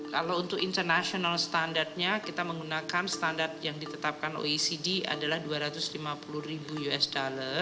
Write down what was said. kalau untuk international standardnya kita menggunakan standar yang ditetapkan oecd adalah dua ratus lima puluh ribu usd